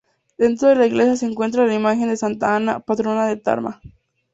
Dentro de la iglesia se encuentra la imagen de Santa Ana, patrona de Tarma.